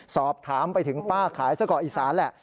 สอบถามไปถึงป้าขายไส้กรอกอีสานแหละ